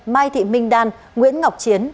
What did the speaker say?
mai thị minh đan nguyễn ngọc chiến